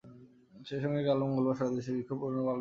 সেই সঙ্গে কাল মঙ্গলবার সারা দেশে বিক্ষোভ কর্মসূচি পালন করবে তারা।